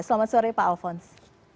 selamat sore pak alphonse